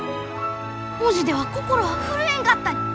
文字では心は震えんかったに！